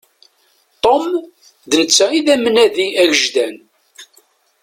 Tom, d netta i d amnadi agejdan.